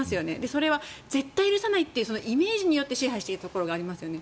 それは絶対許さないというイメージによって支配しているというところがありますよね。